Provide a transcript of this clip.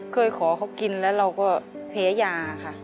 เคยขอเขากินแล้วเราก็แพ้ยาค่ะ